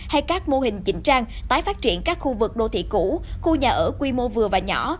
hay các mô hình chỉnh trang tái phát triển các khu vực đô thị cũ khu nhà ở quy mô vừa và nhỏ